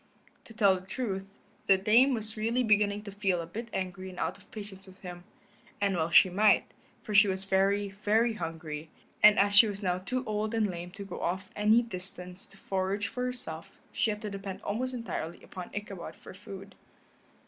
To tell the truth, the Dame was really beginning to feel a bit angry and out of patience with him, and well she might, for she was very, very hungry, and as she was now too old and lame to go off any distance to forage for herself she had to depend almost entirely upon Ichabod for food.